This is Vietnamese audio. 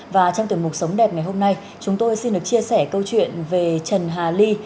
và trong tiềm mục sống đẹp ngày hôm nay chúng tôi xin được chia sẻ câu chuyện về trần hà ly